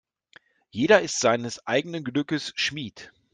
Jeder ist seines eigenen Glückes Schmied.